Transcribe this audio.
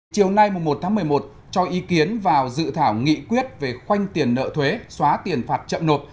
chiều nay một một mươi một cho ý kiến vào dự thảo nghị quyết về khoanh tiền nợ thuế xóa tiền phạt chậm nộp